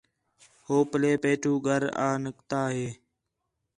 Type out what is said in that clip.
ہو پلّے پیٹھو گھر آ نِکتا ہِے